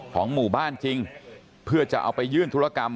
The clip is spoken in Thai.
ของหมู่บ้านจริงเพื่อจะเอาไปยื่นธุรกรรม